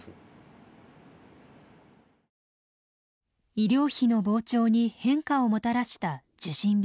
医療費の膨張に変化をもたらした受診控え。